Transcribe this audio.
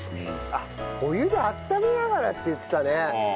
あっお湯で温めながらって言ってたね。